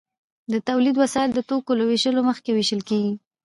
د تولید وسایل د توکو له ویشلو مخکې ویشل کیږي.